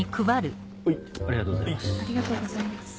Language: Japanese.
ありがとうございます。